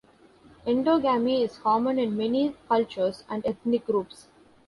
Endogamy is common in many cultures and ethnic groups.